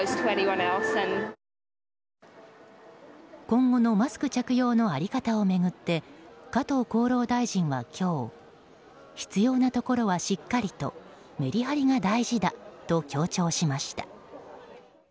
今後のマスク着用の在り方を巡って加藤厚労大臣は今日必要なところはしっかりとメリハリが大事だと強調しました。